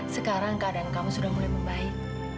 sekarang keadaan kamu sudah mulai membaik